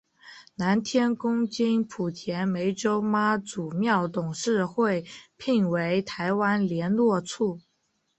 南天宫经莆田湄洲妈祖庙董事会聘为台湾连络处。